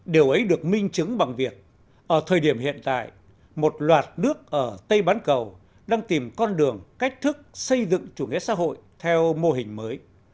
điều ấy được minh chứng bằng việc ở thời điểm hiện tại một loạt nước ở tây bán cầu đang tìm con đường cách thức xây dựng chủ nghĩa xã hội theo mô hình mới